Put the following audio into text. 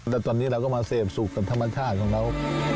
แล้วตอนนี้เราก็มาเสพสุขกับธรรมชาติของเรา